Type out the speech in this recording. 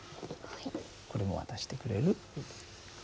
これも渡してくれる？